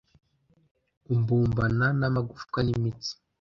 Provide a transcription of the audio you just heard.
umbumbana n’amagufwa n’imitsi